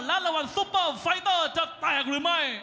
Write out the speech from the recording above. และรางวัลซุปเปอร์ไฟเตอร์จะแตกหรือไม่